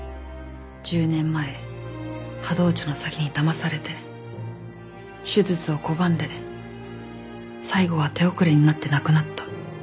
１０年前波動茶の詐欺に騙されて手術を拒んで最後は手遅れになって亡くなった。